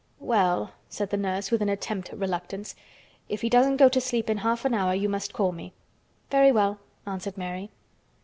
"Well," said the nurse, with an attempt at reluctance. "If he doesn't go to sleep in half an hour you must call me." "Very well," answered Mary.